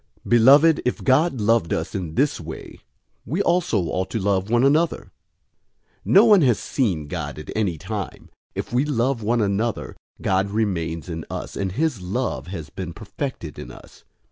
004:011 Beloved, if God loved us in this way, we also ought to love one another. 004:012 No one has seen God at any time. If we love one another, God remains in us, and his love has been perfected in us.